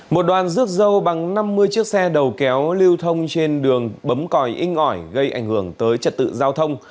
một đoàn rước dâu bằng năm mươi chiếc xe đầu kéo lưu thông trên đường bấm còi inh ỏi gây ảnh hưởng tới trật tự giao thông